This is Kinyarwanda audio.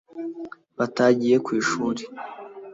batagiye ku ishuri